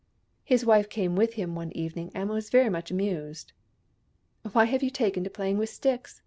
His wife came with him one evening, and was very much amused. " Why have you taken to playing with sticks